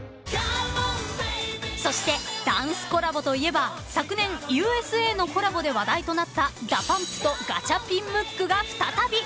［そしてダンスコラボといえば昨年『Ｕ．Ｓ．Ａ．』のコラボで話題となったＤＡＰＵＭＰとガチャピンムックが再び］